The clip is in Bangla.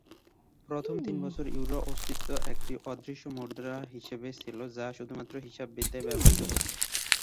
প্রথম তিন বছর ইউরো অস্তিত্ব একটি অদৃশ্য মুদ্রার হিসেবে ছিল, যা শুধুমাত্র হিসাববিদ্যায় ব্যবহৃত হত।